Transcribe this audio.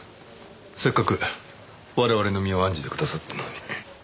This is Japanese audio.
せっかく我々の身を案じてくださってるのに。